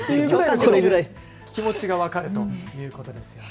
これぐらい気持ちが分かるということですね。